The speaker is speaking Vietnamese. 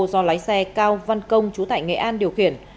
do lái xe cao văn công chú tại nghệ an điều khiển